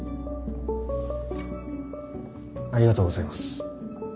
ありがとうございます。